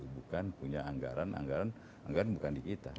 bukan punya anggaran anggaran bukan di kita